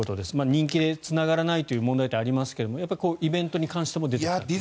人気でつながらないという問題点はありますがイベントに関しても出てくるんですね。